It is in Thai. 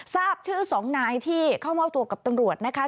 ทราบชื่อ๒นายที่เข้ามอบตัวกับตำรวจนะคะ